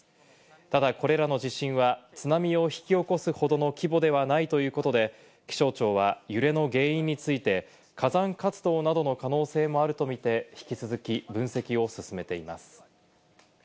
ただこれらの地震は津波を引き起こすほどの規模ではないということで、気象庁は揺れの原因について、火山活動などの可能性もあるとみて、引き続き分析を進めています。